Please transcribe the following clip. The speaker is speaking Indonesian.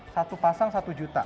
satu pasang satu juta